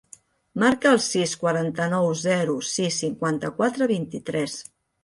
Marca el sis, quaranta-nou, zero, sis, cinquanta-quatre, vint-i-tres.